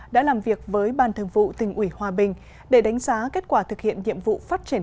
đã làm việc với ban thường vụ tỉnh ủy hòa bình để đánh giá kết quả thực hiện nhiệm vụ phát triển